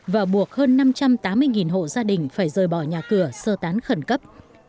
và buộc hơn năm trăm tám mươi hộ gia đình phải rời bỏ nhà cửa sơ tán khẩn cấp